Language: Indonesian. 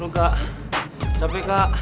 lo gak capek kak